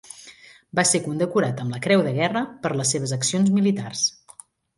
Va ser condecorat amb la Creu de Guerra per les seves accions militars.